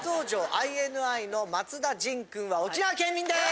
ＩＮＩの松田迅くんは沖縄県民です！